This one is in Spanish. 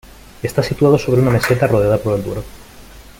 Está situado sobre una meseta, rodeada por el Duero.